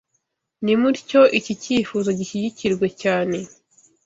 Nimutyo iki cyifuzo gishyigikirwe cyane